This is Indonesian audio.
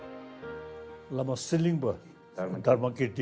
dalai lama selimba dharma kirti